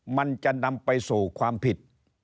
มันจะนำไปสู่ความผิด